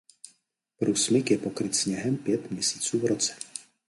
Průsmyk je pokryt sněhem pět měsíců v roce.